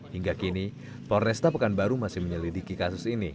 hingga kini polresta pekanbaru masih menyelidiki kasus ini